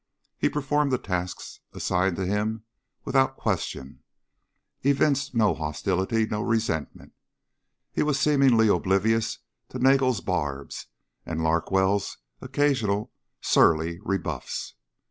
He performed the tasks assigned him without question ... evinced no hostility, no resentment. He was seemingly oblivious to Nagel's barbs and Larkwell's occasional surly rebuffs.